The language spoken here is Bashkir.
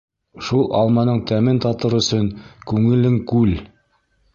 Шул алманың тәмен татыр өсөн, Күңелең — күл.